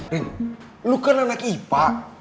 nih lu kan anak ipa